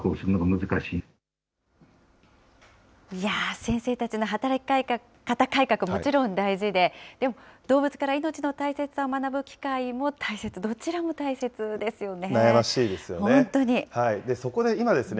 先生たちの働き方改革、もちろん大事で、でも、動物から命の大切さを学ぶ機会も大切、悩ましいですよね。